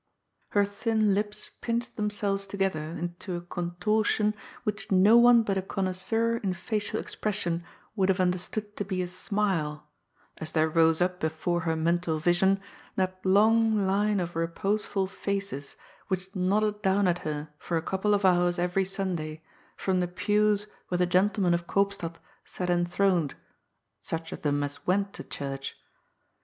Her thin lips pinched themselves together into a contor tion which no one but a connoisseur in facial expression would have understood to be a smile, as there rose up be fore her mental vision that long line of reposeful faces which nodded down at her for a couple of hours every Sunday from the pews where the gentlemen of Koopstad sat enthroned — such of them as went to church.